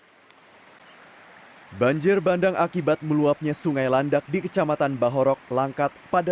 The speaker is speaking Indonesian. hai banjir bandang akibat meluapnya sungai landak di kecamatan bahorok langkat pada